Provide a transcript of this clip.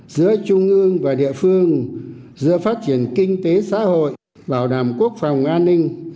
giữa trung ương và địa phương giữa phát triển kinh tế xã hội bảo đảm quốc phòng an ninh